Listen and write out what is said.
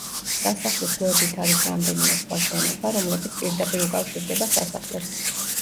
სასახლის გვერდით არის რამდენიმე სხვა შენობა, რომლებიც პირდაპირ უკავშირდება სასახლეს.